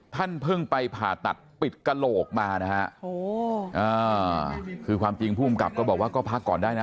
ท่านเพิ่งไปผ่าตัดปิดกระโหลกมานะฮะคือความจริงภูมิกับก็บอกว่าก็พักก่อนได้นะ